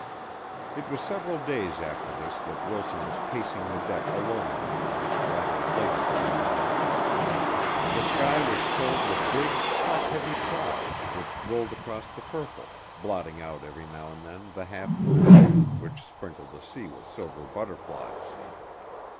It was several days after this that Wilson was pacing the deck alone one night rather later than usual. The sky was filled with big, top heavy clouds which rolled across the purple, blotting out every now and then the half moon which sprinkled the sea with silver butterflies.